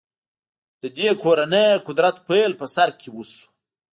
د دې کورنۍ قدرت پیل په سر کې وشو.